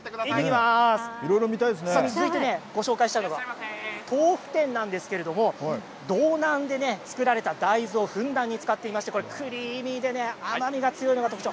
続いて、ご紹介したいのは豆腐店なんですけれども道南で作られた大豆をふんだんに使っていましてクリーミーで甘みが強いのが特徴。